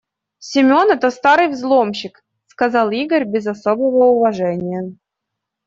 «Семён - это старый взломщик», - сказал Игорь без особого уважения.